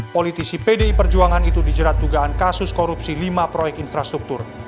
politisi pdi perjuangan itu dijerat dugaan kasus korupsi lima proyek infrastruktur